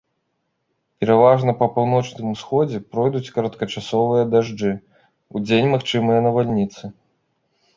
Пераважна па паўночным усходзе пройдуць кароткачасовыя дажджы, удзень магчымыя навальніцы.